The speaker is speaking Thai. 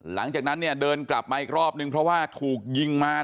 หลังจากนั้นเนี่ยเดินกลับมาอีกรอบนึงเพราะว่าถูกยิงมา